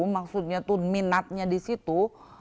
maksudnya minatnya di situ